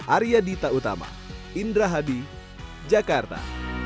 arya dita utama indra hadi jakarta